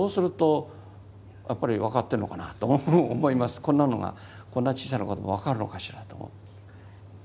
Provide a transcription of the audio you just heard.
こんなのがこんな小さな子ども分かるのかしらと。